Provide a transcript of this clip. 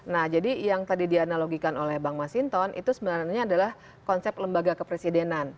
nah jadi yang tadi dianalogikan oleh bang masinton itu sebenarnya adalah konsep lembaga kepresidenan